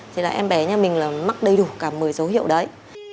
thì là em bé nhà mình là mắc đầy đủ cả một mươi dấu hiệu đấy